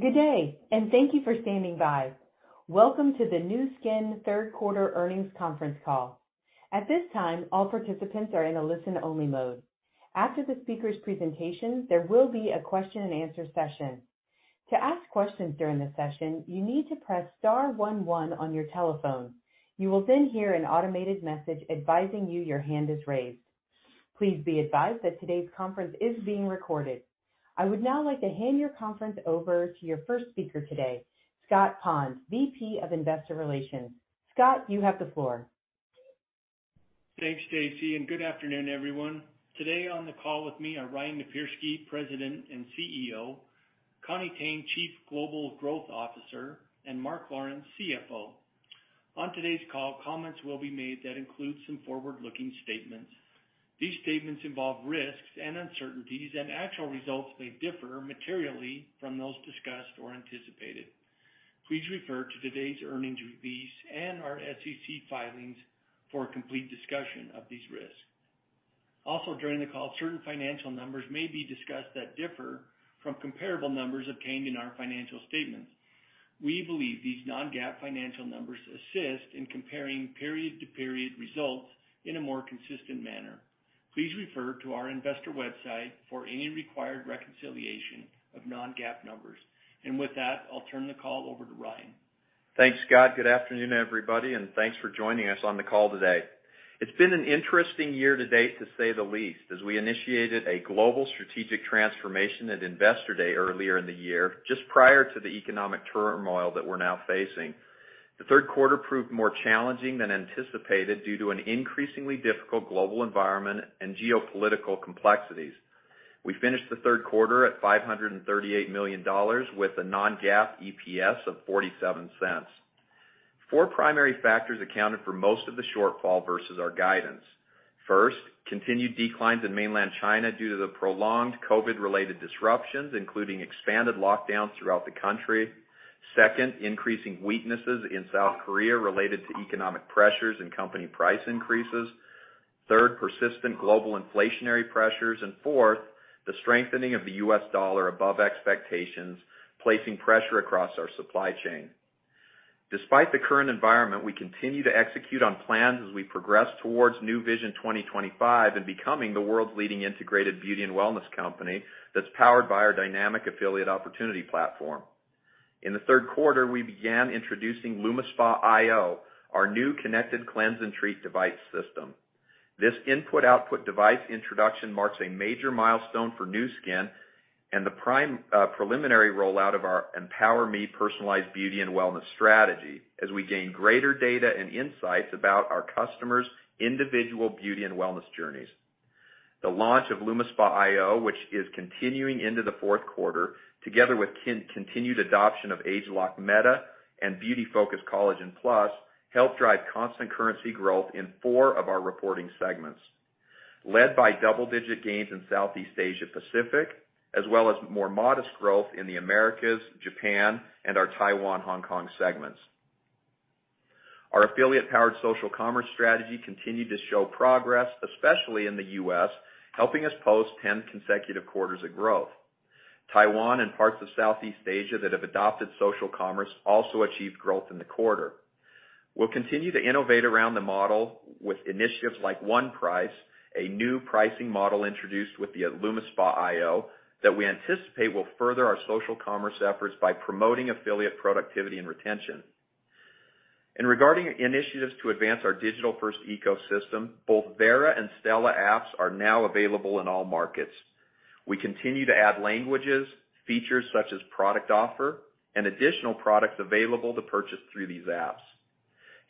Good day, and thank you for standing by. Welcome to the Nu Skin Third Quarter Earnings Conference Call. At this time, all participants are in a listen-only mode. After the speaker's presentation, there will be a question-and-answer session. To ask questions during the session, you need to press star one one on your telephone. You will then hear an automated message advising you that your hand is raised. Please be advised that today's conference is being recorded. I would now like to hand the conference over to your first speaker today, Scott Pond, VP of Investor Relations. Scott, you have the floor. Thanks, Stacy, and good afternoon, everyone. Today on the call with me are Ryan Napierski, President and CEO, Connie Tang, Chief Global Growth Officer, and Mark Lawrence, CFO. On today's call, comments will be made that include some forward-looking statements. These statements involve risks and uncertainties, and actual results may differ materially from those discussed or anticipated. Please refer to today's earnings release and our SEC filings for a complete discussion of these risks. Also, during the call, certain financial numbers may be discussed that differ from comparable numbers obtained in our financial statements. We believe these non-GAAP financial numbers assist in comparing period-to-period results in a more consistent manner. Please refer to our investor website for any required reconciliation of non-GAAP numbers. With that, I'll turn the call over to Ryan. Thanks, Scott. Good afternoon, everybody, and thanks for joining us on the call today. It's been an interesting year to date, to say the least, as we initiated a global strategic transformation at Investor Day earlier in the year, just prior to the economic turmoil that we're now facing. The third quarter proved more challenging than anticipated due to an increasingly difficult global environment and geopolitical complexities. We finished the third quarter at $538 million with a non-GAAP EPS of $0.47. Four primary factors accounted for most of the shortfall versus our guidance. First, continued declines in Mainland China due to the prolonged COVID-related disruptions, including expanded lockdowns throughout the country. Second, increasing weaknesses in South Korea related to economic pressures and company price increases. Third, persistent global inflationary pressures. Fourth, the strengthening of the U.S. dollar above expectations, placing pressure across our supply chain. Despite the current environment, we continue to execute on plans as we progress towards Nu Vision 2025 and becoming the world's leading integrated beauty and wellness company that's powered by our dynamic affiliate opportunity platform. In the third quarter, we began introducing LumiSpa iO, our new connected cleanse and treat device system. This input-output device introduction marks a major milestone for Nu Skin and the preliminary rollout of our EmpowerMe personalized beauty and wellness strategy as we gain greater data and insights about our customers' individual beauty and wellness journeys. The launch of LumiSpa iO, which is continuing into the fourth quarter, together with continued adoption of ageLOC Meta and Beauty Focus Collagen+, helped drive constant currency growth in four of our reporting segments, led by double-digit gains in Southeast Asia Pacific, as well as more modest growth in the Americas, Japan, and our Taiwan/Hong Kong segments. Our affiliate-powered social commerce strategy continued to show progress, especially in the U.S., helping us post 10 consecutive quarters of growth. Taiwan and parts of Southeast Asia that have adopted social commerce also achieved growth in the quarter. We'll continue to innovate around the model with initiatives like One Price, a new pricing model introduced with the LumiSpa iO that we anticipate will further our social commerce efforts by promoting affiliate productivity and retention. Regarding initiatives to advance our digital-first ecosystem, both Vera and Stela apps are now available in all markets. We continue to add languages, features such as product offerings, and additional products available to purchase through these apps.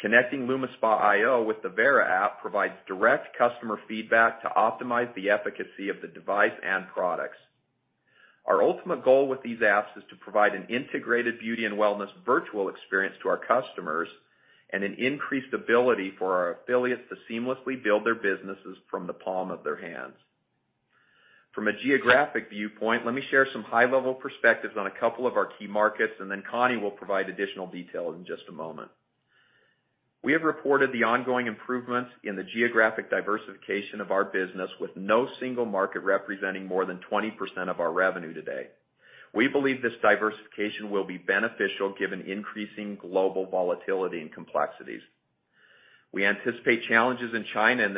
Connecting LumiSpa iO with the Vera app provides direct customer feedback to optimize the efficacy of the device and products. Our ultimate goal with these apps is to provide an integrated beauty and wellness virtual experience to our customers and an increased ability for our affiliates to seamlessly build their businesses from the palm of their hands. From a geographic viewpoint, let me share some high-level perspectives on a couple of our key markets, and then Connie will provide additional details in just a moment. We have reported the ongoing improvements in the geographic diversification of our business with no single market representing more than 20% of our revenue today. We believe this diversification will be beneficial given increasing global volatility and complexities. We anticipate challenges in China in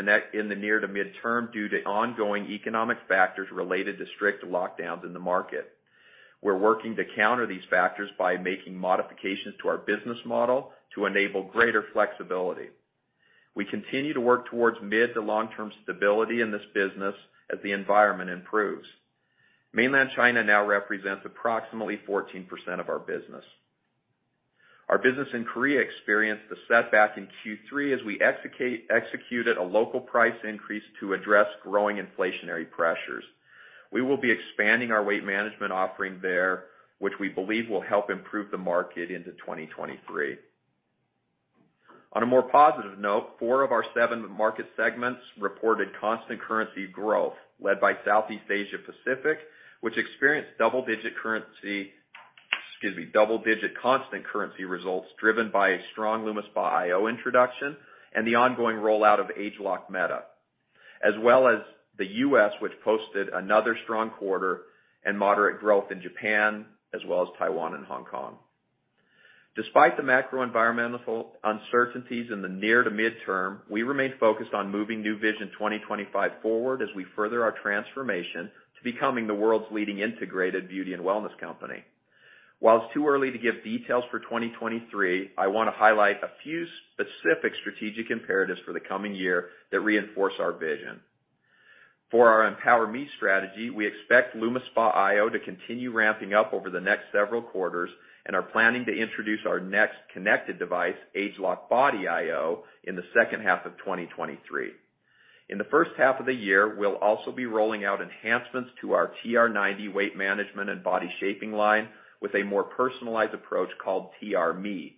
the near to mid-term due to ongoing economic factors related to strict lockdowns in the market. We're working to counter these factors by making modifications to our business model to enable greater flexibility. We continue to work towards mid to long-term stability in this business as the environment improves. Mainland China now represents approximately 14% of our business. Our business in Korea experienced a setback in Q3 as we executed a local price increase to address growing inflationary pressures. We will be expanding our weight management offering there, which we believe will help improve the market into 2023. On a more positive note, four of our seven market segments reported constant currency growth, led by Southeast Asia Pacific, which experienced double-digit constant currency results driven by a strong LumiSpa iO introduction and the ongoing rollout of ageLOC Meta, as well as the U.S., which posted another strong quarter and moderate growth in Japan, as well as Taiwan and Hong Kong. Despite the macro environmental uncertainties in the near to mid-term, we remain focused on moving Nu Vision 2025 forward as we further our transformation to becoming the world's leading integrated beauty and wellness company. While it's too early to give details for 2023, I wanna highlight a few specific strategic imperatives for the coming year that reinforce our vision. For our EmpowerMe strategy, we expect LumiSpa iO to continue ramping up over the next several quarters and are planning to introduce our next connected device, ageLOC Body iO, in the second half of 2023. In the first half of the year, we'll also be rolling out enhancements to our TR90 weight management and body shaping line with a more personalized approach called TRME.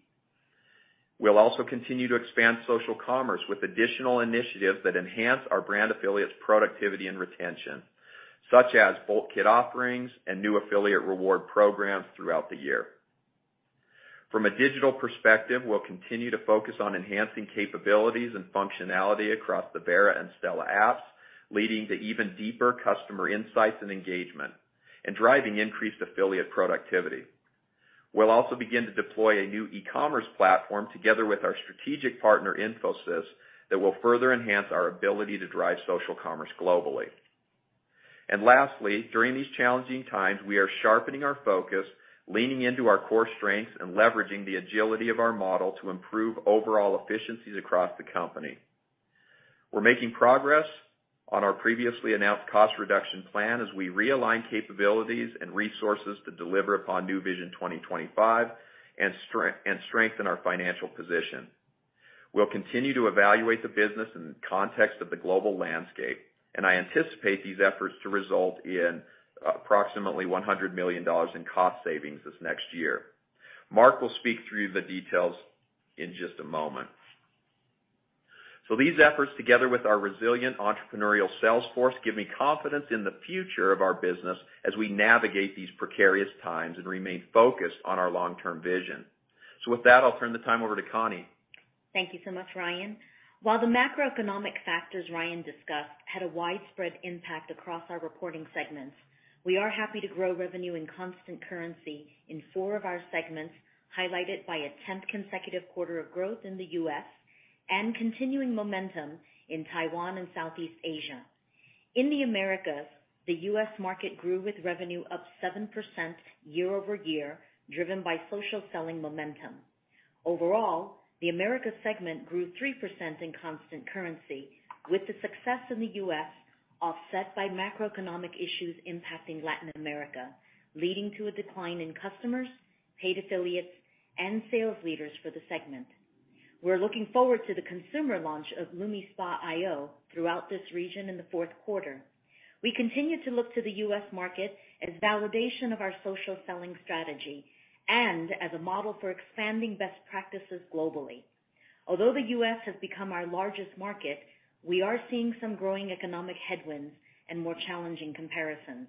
We'll also continue to expand social commerce with additional initiatives that enhance our brand affiliates' productivity and retention, such as bulk kit offerings and new affiliate reward programs throughout the year. From a digital perspective, we'll continue to focus on enhancing capabilities and functionality across the Vera and Stela apps, leading to even deeper customer insights and engagement and driving increased affiliate productivity. We'll also begin to deploy a new e-commerce platform together with our strategic partner, Infosys, that will further enhance our ability to drive social commerce globally. Lastly, during these challenging times, we are sharpening our focus, leaning into our core strengths, and leveraging the agility of our model to improve overall efficiencies across the company. We're making progress on our previously announced cost reduction plan as we realign capabilities and resources to deliver upon Nu Vision 2025 and strengthen our financial position. We'll continue to evaluate the business in the context of the global landscape, and I anticipate these efforts to result in approximately $100 million in cost savings this next year. Mark will speak through the details in just a moment. These efforts, together with our resilient entrepreneurial sales force, give me confidence in the future of our business as we navigate these precarious times and remain focused on our long-term vision. With that, I'll turn the time over to Connie. Thank you so much, Ryan. While the macroeconomic factors Ryan discussed had a widespread impact across our reporting segments, we are happy to grow revenue in constant currency in four of our segments, highlighted by a tenth consecutive quarter of growth in the U.S. and continuing momentum in Taiwan and Southeast Asia. In the Americas, the U.S. market grew with revenue up 7% year-over-year, driven by social selling momentum. Overall, the Americas segment grew 3% in constant currency, with the success in the U.S. offset by macroeconomic issues impacting Latin America, leading to a decline in customers, paid affiliates, and sales leaders for the segment. We're looking forward to the consumer launch of LumiSpa iO throughout this region in the fourth quarter. We continue to look to the U.S. market as validation of our social selling strategy and as a model for expanding best practices globally. Although the U.S. has become our largest market, we are seeing some growing economic headwinds and more challenging comparisons.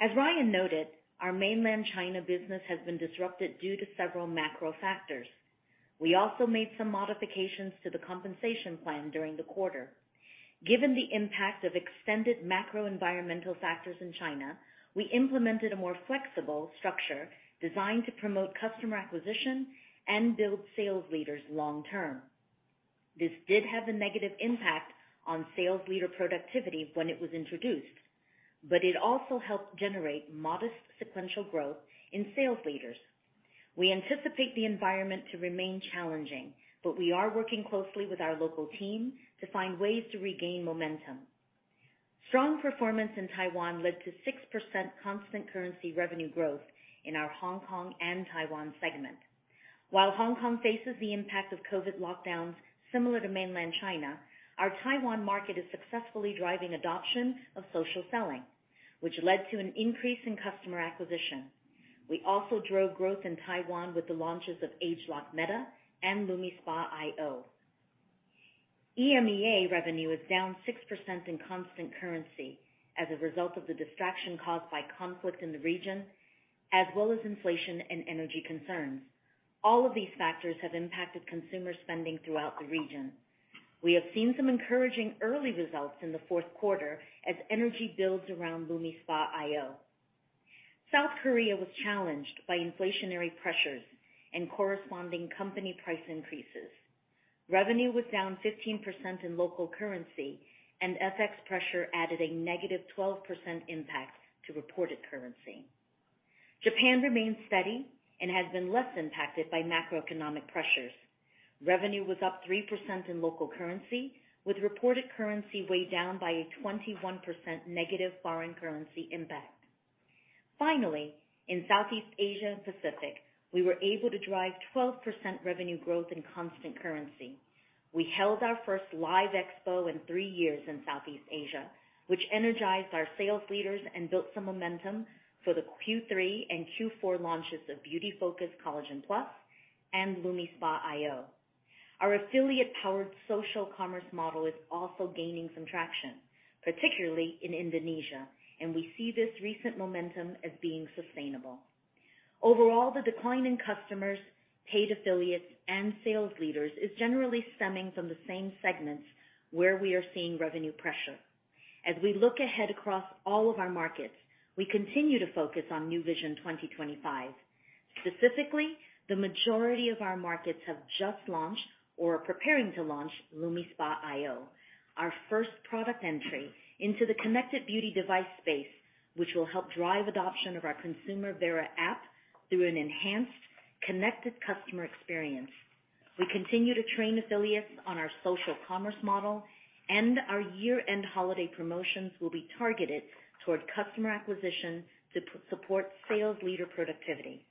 As Ryan noted, our Mainland China business has been disrupted due to several macro factors. We also made some modifications to the compensation plan during the quarter. Given the impact of extended macro environmental factors in China, we implemented a more flexible structure designed to promote customer acquisition and build sales leaders long term. This did have a negative impact on sales leader productivity when it was introduced, but it also helped generate modest sequential growth in sales leaders. We anticipate the environment to remain challenging, but we are working closely with our local team to find ways to regain momentum. Strong performance in Taiwan led to 6% constant currency revenue growth in our Hong Kong and Taiwan segment. While Hong Kong faces the impact of COVID lockdowns similar to Mainland China, our Taiwan market is successfully driving adoption of social selling, which led to an increase in customer acquisition. We also drove growth in Taiwan with the launches of ageLOC Meta and LumiSpa iO. EMEA revenue is down 6% in constant currency as a result of the distraction caused by conflict in the region, as well as inflation and energy concerns. All of these factors have impacted consumer spending throughout the region. We have seen some encouraging early results in the fourth quarter as energy builds around LumiSpa iO. South Korea was challenged by inflationary pressures and corresponding company price increases. Revenue was down 15% in local currency, and FX pressure added a negative 12% impact to reported currency. Japan remains steady and has been less impacted by macroeconomic pressures. Revenue was up 3% in local currency, with reported currency weighed down by a 21% negative foreign currency impact. Finally, in Southeast Asia and Pacific, we were able to drive 12% revenue growth in constant currency. We held our first live expo in three Years in Southeast Asia, which energized our sales leaders and built some momentum for the Q3 and Q4 launches of Beauty Focus Collagen+ and LumiSpa iO. Our affiliate-powered social commerce model is also gaining some traction, particularly in Indonesia, and we see this recent momentum as being sustainable. Overall, the decline in customers, paid affiliates, and sales leaders is generally stemming from the same segments where we are seeing revenue pressure. As we look ahead across all of our markets, we continue to focus on Nu Vision 2025. Specifically, the majority of our markets have just launched or are preparing to launch ageLOC LumiSpa iO, our first product entry into the connected beauty device space, which will help drive adoption of our consumer Vera app through an enhanced connected customer experience. We continue to train affiliates on our social commerce model, and our year-end holiday promotions will be targeted toward customer acquisition to support sales leader productivity.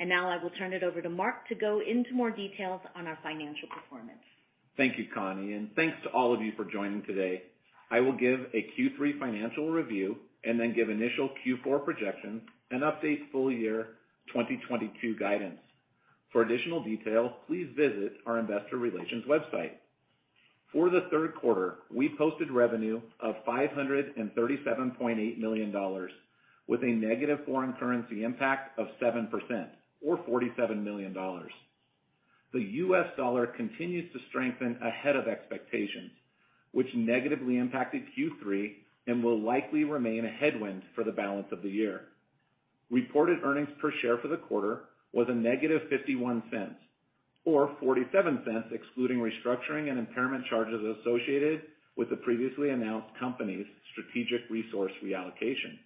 Now I will turn it over to Mark to go into more details on our financial performance. Thank you, Connie, and thanks to all of you for joining today. I will give a Q3 financial review and then give initial Q4 projections and update full year 2022 guidance. For additional detail, please visit our investor relations website. For the third quarter, we posted revenue of $537.8 million with a negative foreign currency impact of 7% or $47 million. The U.S. dollar continues to strengthen ahead of expectations, which negatively impacted Q3 and will likely remain a headwind for the balance of the year. Reported earnings per share for the quarter was -$0.51 or $0.47, excluding restructuring and impairment charges associated with the previously announced company's strategic resource reallocation.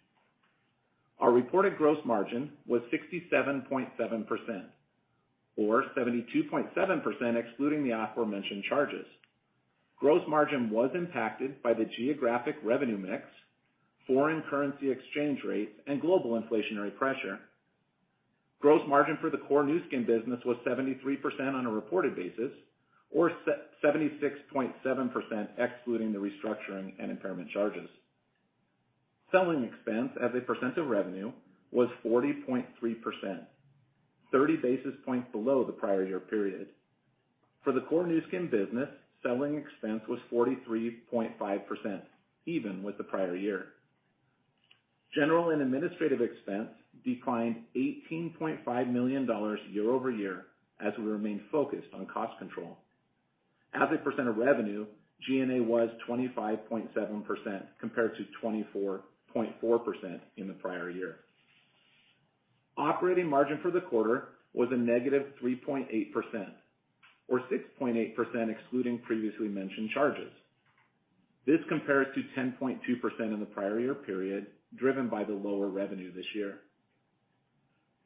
Our reported gross margin was 67.7% or 72.7% excluding the aforementioned charges. Gross margin was impacted by the geographic revenue mix, foreign currency exchange rates, and global inflationary pressure. Gross margin for the core Nu Skin business was 73% on a reported basis or 76.7% excluding the restructuring and impairment charges. Selling expense as a percent of revenue was 40.3%, 30 basis points below the prior year period. For the core Nu Skin business, selling expense was 43.5%, even with the prior year. General and administrative expense declined $18.5 million year-over-year as we remain focused on cost control. As a percent of revenue, G&A was 25.7% compared to 24.4% in the prior year. Operating margin for the quarter was a negative 3.8% or 6.8% excluding previously mentioned charges. This compares to 10.2% in the prior year period, driven by the lower revenue this year.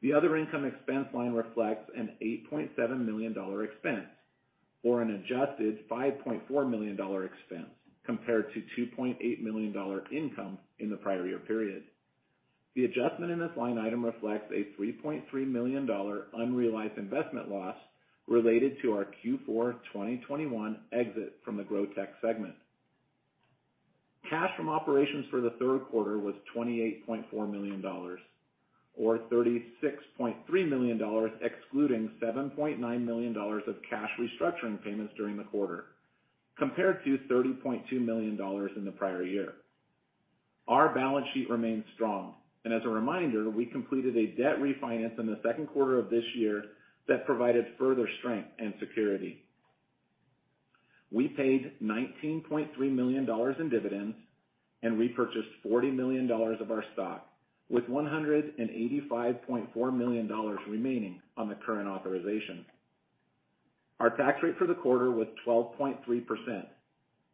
The other income expense line reflects an $8.7 million expense or an adjusted $5.4 million expense, compared to $2.8 million income in the prior year period. The adjustment in this line item reflects a $3.3 million unrealized investment loss related to our Q4 2021 exit from the Grow Tech segment. Cash from operations for the third quarter was $28.4 million, or $36.3 million, excluding $7.9 million of cash restructuring payments during the quarter, compared to $30.2 million in the prior year. Our balance sheet remains strong, and as a reminder, we completed a debt refinance in the second quarter of this year that provided further strength and security. We paid $19.3 million in dividends and repurchased $40 million of our stock, with $185.4 million remaining on the current authorization. Our tax rate for the quarter was 12.3%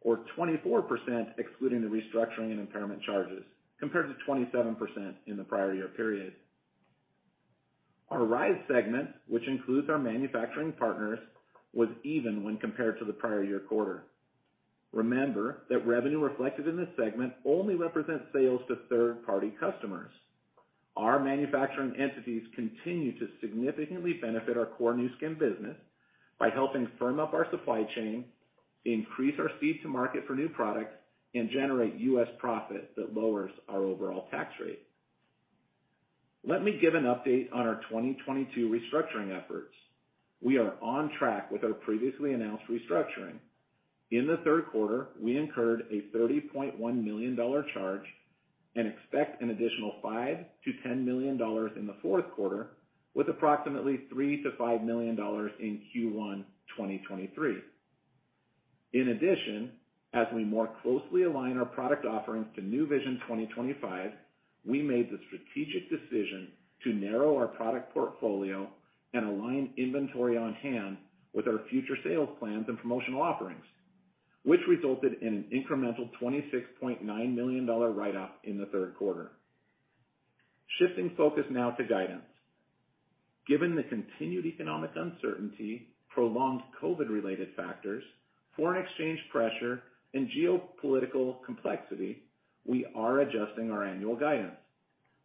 or 24% excluding the restructuring and impairment charges, compared to 27% in the prior year period. Our Rhyz segment, which includes our manufacturing partners, was even when compared to the prior year quarter. Remember that revenue reflected in this segment only represents sales to third-party customers. Our manufacturing entities continue to significantly benefit our core Nu Skin business by helping firm up our supply chain, increase our speed to market for new products, and generate U.S. profit that lowers our overall tax rate. Let me give an update on our 2022 restructuring efforts. We are on track with our previously announced restructuring. In the third quarter, we incurred a $30.1 million charge and expect an additional $5 million-$10 million in the fourth quarter with approximately $3 million-$5 million in Q1 2023. In addition, as we more closely align our product offerings to Nu Vision 2025, we made the strategic decision to narrow our product portfolio and align inventory on hand with our future sales plans and promotional offerings, which resulted in an incremental $26.9 million write-up in the third quarter. Shifting focus now to guidance. Given the continued economic uncertainty, prolonged COVID-related factors, foreign exchange pressure, and geopolitical complexity, we are adjusting our annual guidance.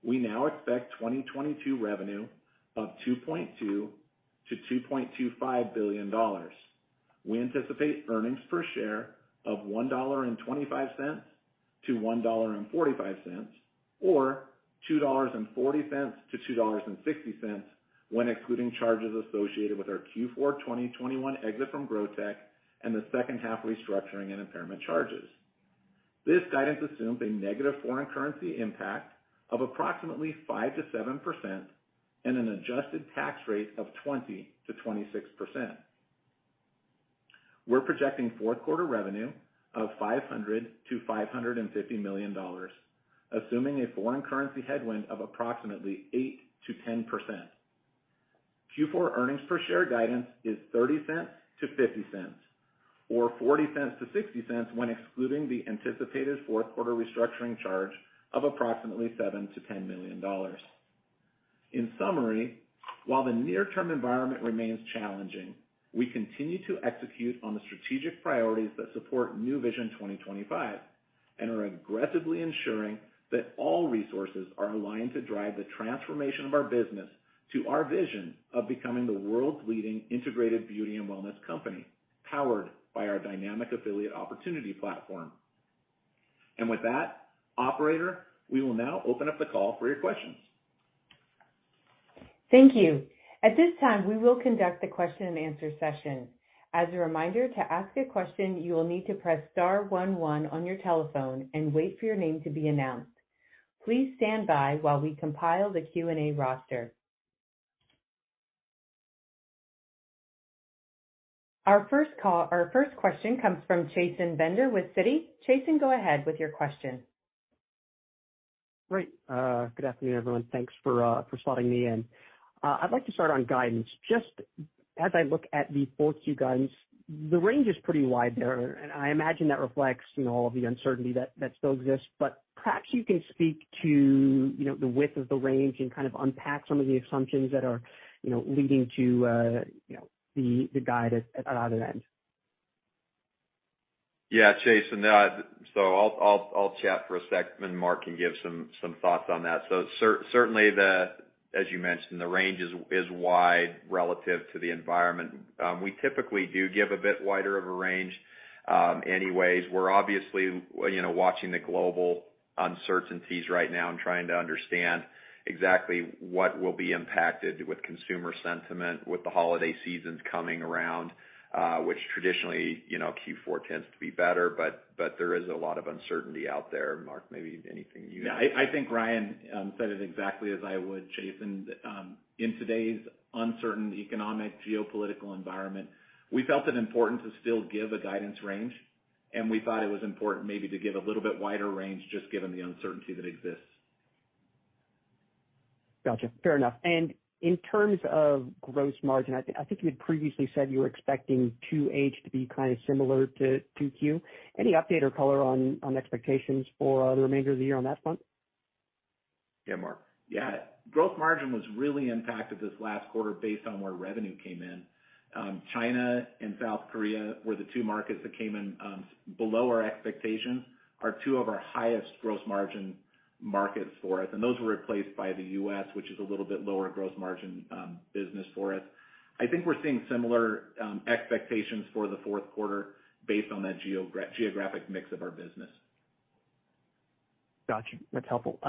We now expect 2022 revenue of $2.2 billion-$2.25 billion. We anticipate earnings per share of $1.25-$1.45 or $2.40-$2.60 when excluding charges associated with our Q4 2021 exit from Grow Tech and the second half restructuring and impairment charges. This guidance assumes a negative foreign currency impact of approximately 5%-7% and an adjusted tax rate of 20%-26%. We're projecting fourth quarter revenue of $500 million-$550 million, assuming a foreign currency headwind of approximately 8%-10%. Q4 earnings per share guidance is $0.30-$0.50 or $0.40-$0.60 when excluding the anticipated fourth quarter restructuring charge of approximately $7 million-$10 million. In summary, while the near-term environment remains challenging, we continue to execute on the strategic priorities that support Nu Vision 2025 and are aggressively ensuring that all resources are aligned to drive the transformation of our business to our vision of becoming the world's leading integrated beauty and wellness company, powered by our dynamic affiliate opportunity platform. With that, operator, we will now open up the call for your questions. Thank you. At this time, we will conduct a question-and-answer session. As a reminder, to ask a question, you will need to press star one one on your telephone and wait for your name to be announced. Please stand by while we compile the Q&A roster. Our first question comes from Chasen Bender with Citi. Chasen, go ahead with your question. Great. Good afternoon, everyone. Thanks for spotting me in. I'd like to start on guidance. Just as I look at the 4Q guidance, the range is pretty wide there, and I imagine that reflects, you know, all of the uncertainty that still exists. Perhaps you can speak to, you know, the width of the range and kind of unpack some of the assumptions that are, you know, leading to the guide at either end. Yeah, Chasen. I'll chat for a sec, then Mark can give some thoughts on that. Certainly, as you mentioned, the range is wide relative to the environment. We typically do give a bit wider of a range, anyways. We're obviously, you know, watching the global uncertainties right now and trying to understand exactly what will be impacted with consumer sentiment, with the holiday seasons coming around, which traditionally, you know, Q4 tends to be better, but there is a lot of uncertainty out there. Mark, maybe anything you Yeah, I think Ryan said it exactly as I would, Chasen. In today's uncertain economic geopolitical environment, we felt it important to still give a guidance range, and we thought it was important maybe to give a little bit wider range just given the uncertainty that exists. Gotcha. Fair enough. In terms of gross margin, I think you had previously said you were expecting 2H to be kind of similar to 2Q. Any update or color on expectations for the remainder of the year on that front? Yeah, Mark. Yeah, gross margin was really impacted this last quarter based on where revenue came in. China and South Korea were the two markets that came in below our expectations, are two of our highest gross margin markets for us. Those were replaced by the U.S., which is a little bit lower gross margin business for us. I think we're seeing similar expectations for the fourth quarter based on that geographic mix of our business. Gotcha. That's helpful.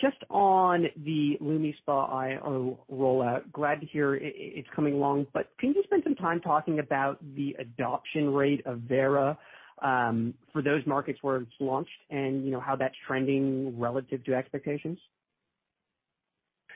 Just on the LumiSpa iO rollout, glad to hear it's coming along, but can you spend some time talking about the adoption rate of Vera, for those markets where it's launched and, you know, how that's trending relative to expectations?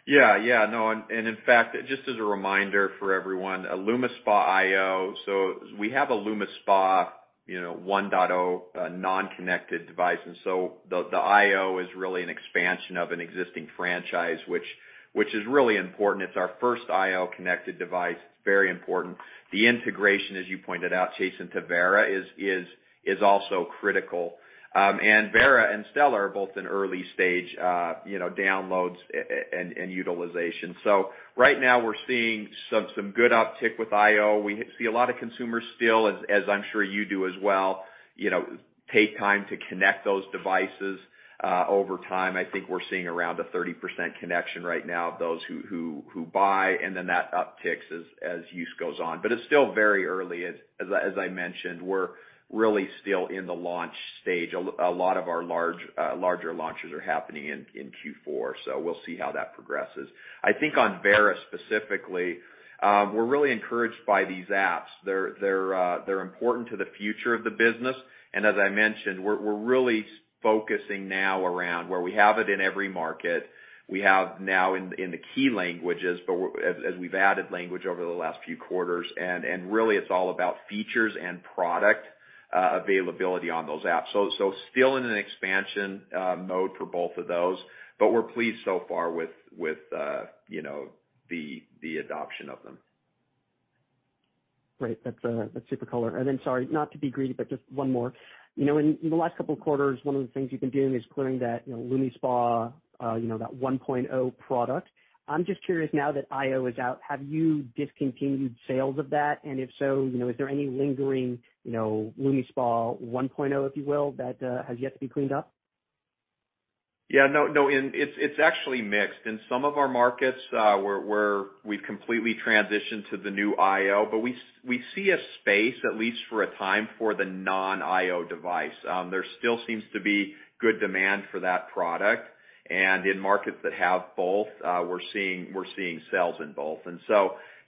Yeah. Yeah, no, and in fact, just as a reminder for everyone, LumiSpa iO, so we have a LumiSpa, you know, 1.0, non-connected device. The iO is really an expansion of an existing franchise, which is really important. It's our first iO connected device. It's very important. The integration, as you pointed out, Chasen, to Vera is also critical. Vera and Stela are both in early stage, you know, downloads and utilization. Right now we're seeing some good uptick with iO. We see a lot of consumers still, as I'm sure you do as well, you know, take time to connect those devices, over time. I think we're seeing around 30% connection right now of those who buy, and then that upticks as use goes on. It's still very early. As I mentioned, we're really still in the launch stage. A lot of our larger launches are happening in Q4, so we'll see how that progresses. I think on Vera specifically, we're really encouraged by these apps. They're important to the future of the business. As I mentioned, we're really focusing now around where we have it in every market. We have now in the key languages, but as we've added language over the last few quarters, and really it's all about features and product availability on those apps. Still in an expansion mode for both of those, but we're pleased so far with, you know, the adoption of them. Great. That's super color. Then, sorry, not to be greedy, but just one more. You know, in the last couple of quarters, one of the things you've been doing is clearing that LumiSpa 1.0 product. I'm just curious, now that iO is out, have you discontinued sales of that? And if so, you know, is there any lingering LumiSpa 1.0, if you will, that has yet to be cleaned up? No, it's actually mixed. In some of our markets, where we've completely transitioned to the new iO, but we see a space, at least for a time, for the non-iO device. There still seems to be good demand for that product. In markets that have both, we're seeing sales in both.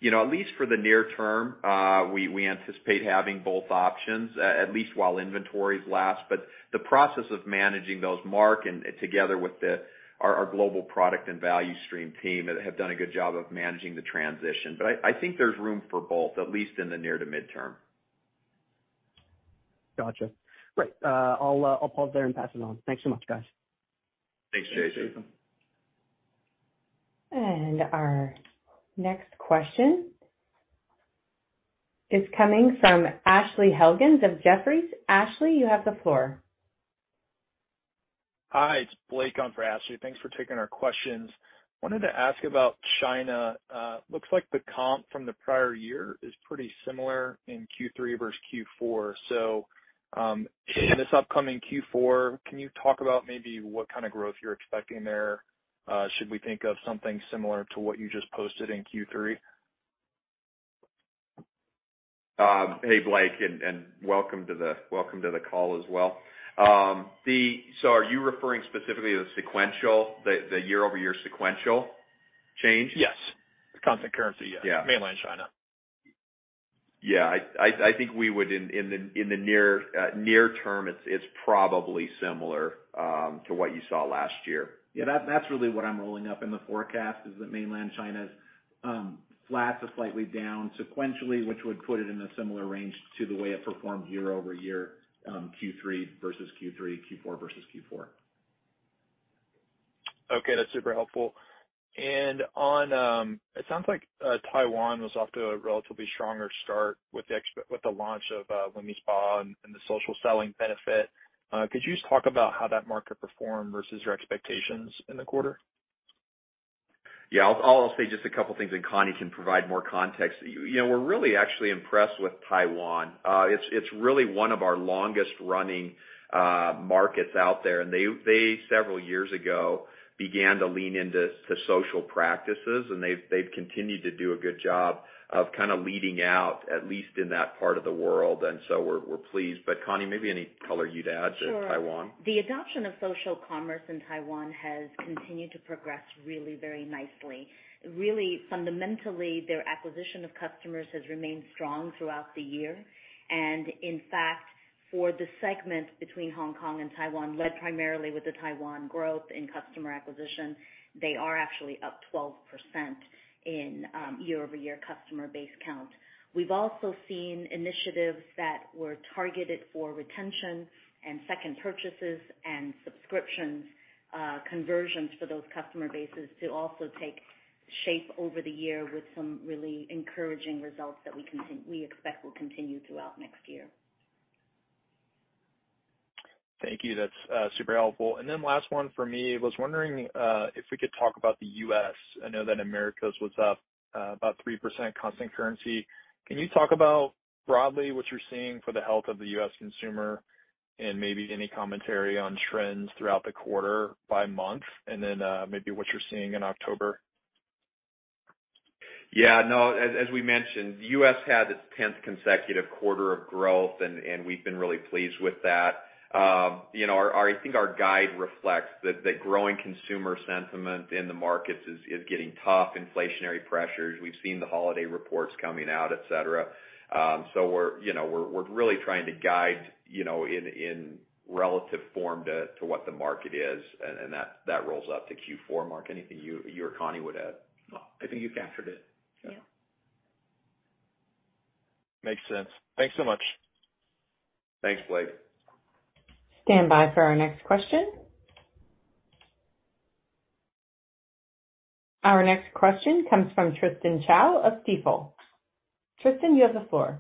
You know, at least for the near term, we anticipate having both options at least while inventories last. The process of managing those, Mark, and together with our global product and value stream team have done a good job of managing the transition. I think there's room for both, at least in the near to midterm. Gotcha. Great. I'll pause there and pass it on. Thanks so much, guys. Thanks, Chasen. Our next question is coming from Ashley Helgans of Jefferies. Ashley, you have the floor. Hi, it's Blake on for Ashley. Thanks for taking our questions. Wanted to ask about China. Looks like the comp from the prior year is pretty similar in Q3 versus Q4. In this upcoming Q4, can you talk about maybe what kind of growth you're expecting there? Should we think of something similar to what you just posted in Q3? Hey, Blake, and welcome to the call as well. Are you referring specifically to the sequential, the year-over-year sequential change? Yes. Constant currency, yes. Yeah. Mainland China. Yeah, I think we would, in the near term, it's probably similar to what you saw last year. Yeah, that's really what I'm rolling up in the forecast is that Mainland China is flat to slightly down sequentially, which would put it in a similar range to the way it performed year-over-year, Q3 versus Q3, Q4 versus Q4. Okay, that's super helpful. On, it sounds like Taiwan was off to a relatively stronger start with the launch of LumiSpa and the social selling benefit. Could you just talk about how that market performed versus your expectations in the quarter? Yeah. I'll say just a couple things and Connie can provide more context. You know, we're really actually impressed with Taiwan. It's really one of our longest running markets out there. They several years ago began to lean into social practices, and they've continued to do a good job of kinda leading out, at least in that part of the world. We're pleased. Connie, maybe any color you'd add to Taiwan. Sure. The adoption of social commerce in Taiwan has continued to progress really very nicely. Really, fundamentally, their acquisition of customers has remained strong throughout the year. In fact, for the segment between Hong Kong and Taiwan, led primarily with the Taiwan growth in customer acquisition, they are actually up 12% in year-over-year customer base count. We've also seen initiatives that were targeted for retention and second purchases and subscriptions, conversions for those customer bases to also take shape over the year with some really encouraging results that we expect will continue throughout next year. Thank you. That's super helpful. Last one for me. Was wondering if we could talk about the U.S. I know that Americas was up about 3% constant currency. Can you talk about broadly what you're seeing for the health of the U.S. consumer and maybe any commentary on trends throughout the quarter by month, and then maybe what you're seeing in October? Yeah, no. As we mentioned, U.S. had its tenth consecutive quarter of growth, and we've been really pleased with that. You know, I think our guide reflects the growing consumer sentiment in the markets is getting tough, inflationary pressures. We've seen the holiday reports coming out, et cetera. We're really trying to guide, you know, in relative form to what the market is, and that rolls up to Q4. Mark, anything you or Connie would add? No. I think you captured it. Yeah. Makes sense. Thanks so much. Thanks, Blake. Stand by for our next question. Our next question comes from Tristan Chao of Stifel. Tristan, you have the floor.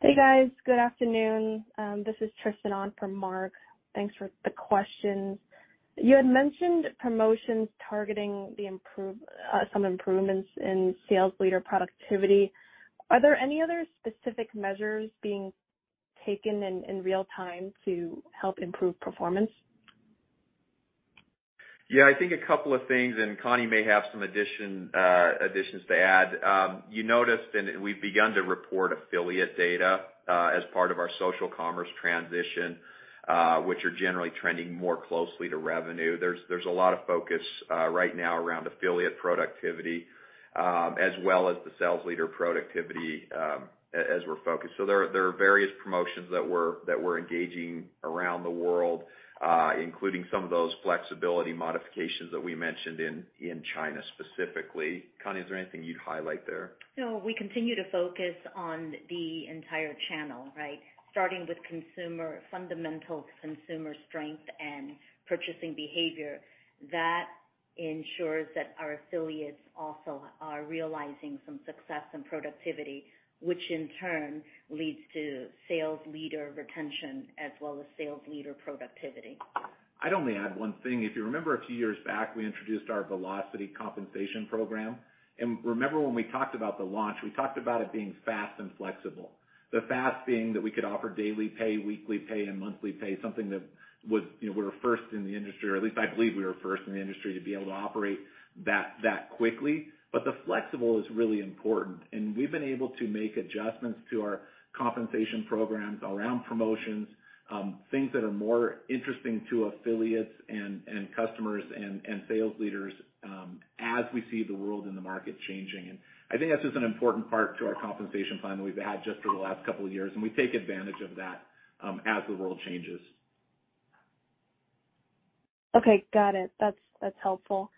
Hey, guys. Good afternoon. This is Tristan on for Mark. Thanks for the questions. You had mentioned promotions targeting some improvements in sales leader productivity. Are there any other specific measures being taken in real time to help improve performance? Yeah. I think a couple of things, and Connie may have some additions to add. You noticed, and we've begun to report affiliate data as part of our social commerce transition, which are generally trending more closely to revenue. There's a lot of focus right now around affiliate productivity, as well as the sales leader productivity, as we're focused. There are various promotions that we're engaging around the world, including some of those flexibility modifications that we mentioned in China specifically. Connie, is there anything you'd highlight there? No. We continue to focus on the entire channel, right? Starting with consumer, fundamental consumer strength and purchasing behavior. That ensures that our affiliates also are realizing. Realizing some success and productivity, which in turn leads to sales leader retention as well as sales leader productivity. I'd only add one thing. If you remember a few years back, we introduced our Velocity compensation program. Remember when we talked about the launch, we talked about it being fast and flexible. The fast being that we could offer daily pay, weekly pay, and monthly pay, something that was, you know, we were first in the industry, or at least I believe we were first in the industry, to be able to operate that quickly. The flexible is really important, and we've been able to make adjustments to our compensation programs around promotions, things that are more interesting to affiliates and customers and sales leaders, as we see the world and the market changing. I think that's just an important part to our compensation plan that we've had just over the last couple of years, and we take advantage of that, as the world changes. Okay. Got it. That's helpful.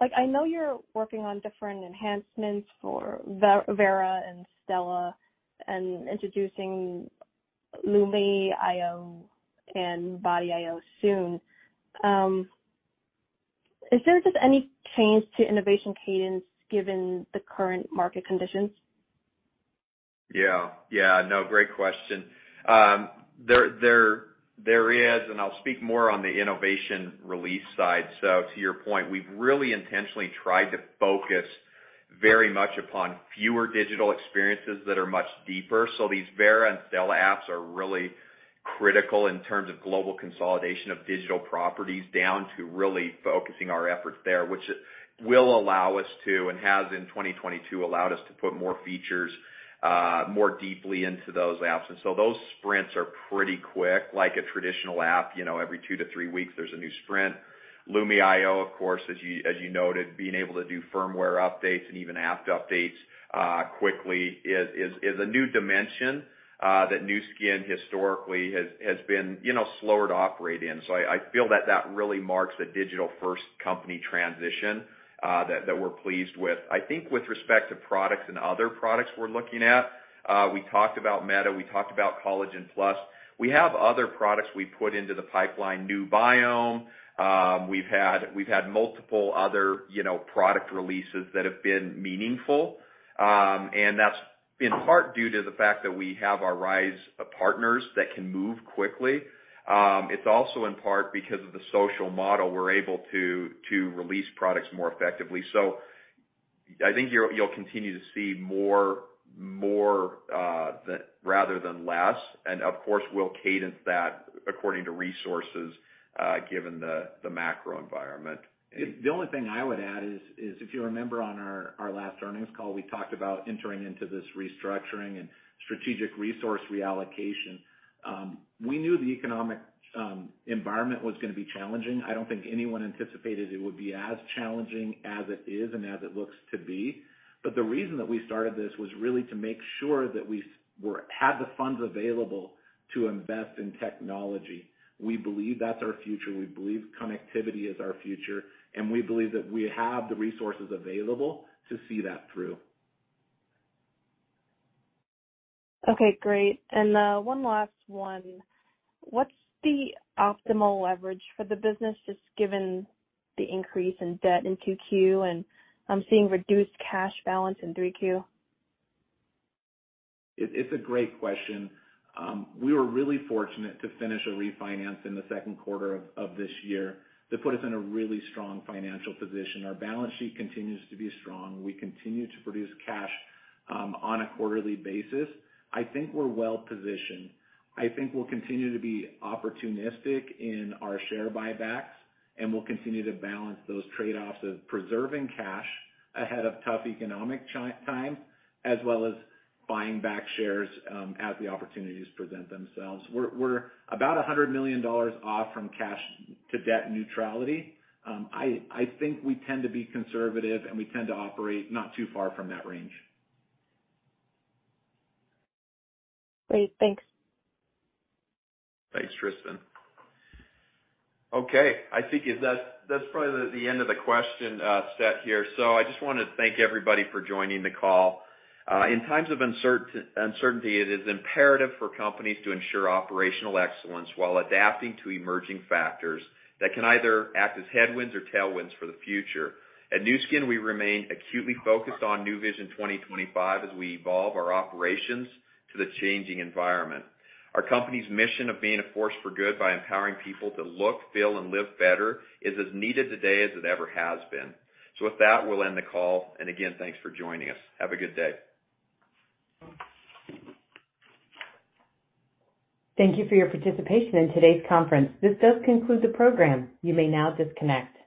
Like, I know you're working on different enhancements for Vera and Stela and introducing LumiSpa iO and WellSpa iO soon. Is there just any change to innovation cadence given the current market conditions? Yeah. Yeah, no, great question. There is, and I'll speak more on the innovation release side. To your point, we've really intentionally tried to focus very much upon fewer digital experiences that are much deeper. These Vera and Stela apps are really critical in terms of global consolidation of digital properties, down to really focusing our efforts there, which will allow us to, and has in 2022 allowed us to put more features, more deeply into those apps. Those sprints are pretty quick, like a traditional app, you know, every 2-3 weeks, there's a new sprint. LumiSpa iO, of course, as you noted, being able to do firmware updates and even app updates, quickly is a new dimension that Nu Skin historically has been, you know, slower to operate in. I feel that really marks the digital-first company transition that we're pleased with. I think with respect to products and other products we're looking at, we talked about Meta, we talked about Collagen Plus. We have other products we put into the pipeline, Nu Biome. We've had multiple other, you know, product releases that have been meaningful. And that's in part due to the fact that we have our Rhyz partners that can move quickly. It's also in part because of the social model, we're able to to release products more effectively. I think you'll continue to see more rather than less, and of course, we'll cadence that according to resources given the macro environment. The only thing I would add is if you remember on our last earnings call, we talked about entering into this restructuring and strategic resource reallocation. We knew the economic environment was gonna be challenging. I don't think anyone anticipated it would be as challenging as it is and as it looks to be. The reason that we started this was really to make sure that we had the funds available to invest in technology. We believe that's our future. We believe connectivity is our future, and we believe that we have the resources available to see that through. Okay, great. One last one. What's the optimal leverage for the business just given the increase in debt in 2Q, and I'm seeing reduced cash balance in 3Q? It's a great question. We were really fortunate to finish a refinance in the second quarter of this year that put us in a really strong financial position. Our balance sheet continues to be strong. We continue to produce cash on a quarterly basis. I think we're well-positioned. I think we'll continue to be opportunistic in our share buybacks, and we'll continue to balance those trade-offs of preserving cash ahead of tough economic times, as well as buying back shares, as the opportunities present themselves. We're about $100 million off from cash to debt neutrality. I think we tend to be conservative, and we tend to operate not too far from that range. Great. Thanks. Thanks, Tristan. Okay, I think that's probably the end of the question set here. I just wanna thank everybody for joining the call. In times of uncertainty, it is imperative for companies to ensure operational excellence while adapting to emerging factors that can either act as headwinds or tailwinds for the future. At Nu Skin, we remain acutely focused on Nu Vision 2025 as we evolve our operations to the changing environment. Our company's mission of being a force for good by empowering people to look, feel, and live better is as needed today as it ever has been. With that, we'll end the call. Again, thanks for joining us. Have a good day. Thank you for your participation in today's conference. This does conclude the program. You may now disconnect.